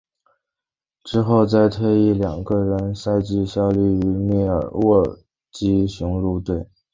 之后在退役前的两个赛季效力于密尔沃基雄鹿队。